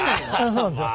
そうなんですよ。